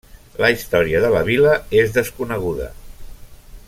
La història de la vila és desconeguda.